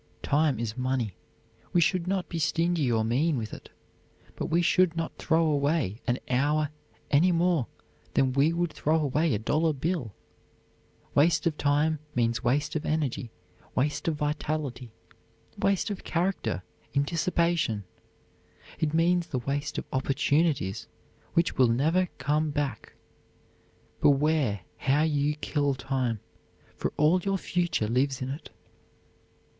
Time is money. We should not be stingy or mean with it, but we should not throw away an hour any more than we would throw away a dollar bill. Waste of time means waste of energy, waste of vitality, waste of character in dissipation. It means the waste of opportunities which will never come back. Beware how you kill time, for all your future lives in it.